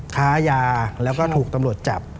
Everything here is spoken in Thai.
ค้ายาแล้วก็ถูกตำรวจจับ